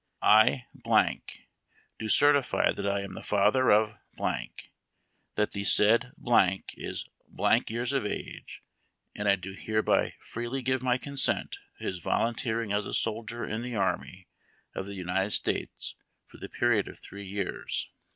I Do CERTIFY, That I am the father of that the said is years of age; and I do hereby freely give my consent to his volunteering as a Soldier in the Army of the United States for the period of three years.